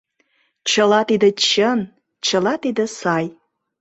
Чыла тиде чын, чыла тиде сай.